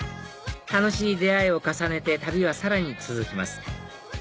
楽しい出会いを重ねて旅はさらに続きます